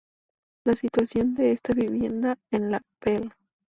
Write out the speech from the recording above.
La situación de esta vivienda en la Pl.